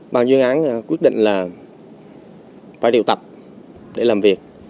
bàn chuyên án quyết định là phải điều tập để làm việc